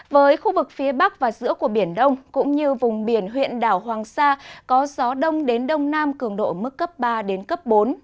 với khu vực phía bắc và giữa của biển đông cũng như vùng biển huyện đảo hoàng sa có gió đông đến đông nam cường độ mức cấp ba đến cấp bốn